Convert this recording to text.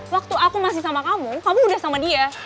waktu aku masih sama kamu kamu udah sama dia